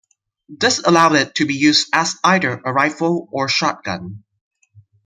This allowed it to be used as either a rifle or a shotgun.